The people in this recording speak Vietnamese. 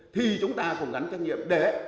thì chúng ta cũng gắn trách nhiệm để